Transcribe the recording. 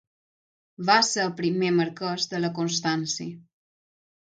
Va ser primer marquès de la Constància.